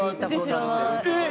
えっ！